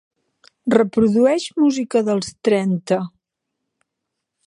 reprodueix música dels trenta